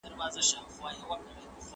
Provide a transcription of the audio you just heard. په دغه کوڅې کي د یو نېک سړي مړینه وسوه.